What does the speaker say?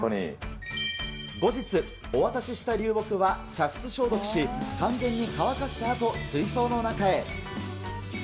後日、お渡しした流木は煮沸消毒し、完全に乾かしたあと、水槽の中へ。